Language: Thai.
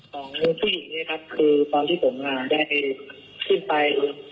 ของผู้หญิงเนี่ยครับคือตอนที่ผมได้ขึ้นไป